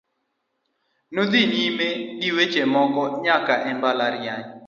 Nodhi nyime gi weche somo nyaka e mbalariany.